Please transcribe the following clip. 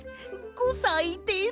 ５さいです。